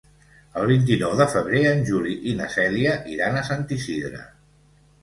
El vint-i-nou de febrer en Juli i na Cèlia iran a Sant Isidre.